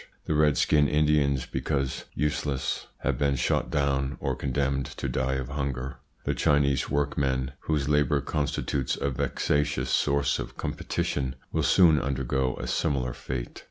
The Redskin Indians, because useless, have been shot down, or condemned to die of hunger. The Chinese workmen, JTS INFLUENCE ON THEIR EVOLUTION 147 whose labour constitutes a vexatious source of com petition, will soon undergo a similar fate.